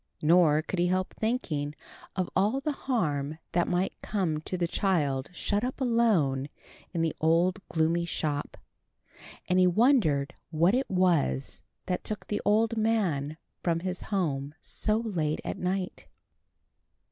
Nor could he help thinking of all the harm that might come to the child shut up alone in the old gloomy shop; and he wondered what it was that took the old man from his home so late at night.